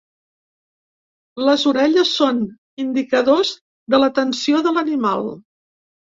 Les orelles són indicadors de l’atenció de l’animal.